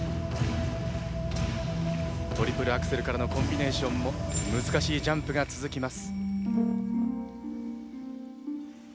トリプルアクセルからのコンビネーションも難しいジャンプが続きます。